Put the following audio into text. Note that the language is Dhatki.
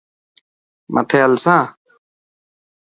مٿي هلسان.